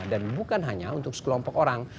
dan bukan hanya untuk sekelompok orang